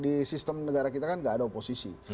di sistem negara kita kan gak ada oposisi